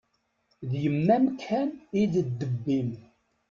D yemma-m kan i d ddeb-im.